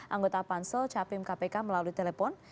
anggota pansel capim kpk melalui telepon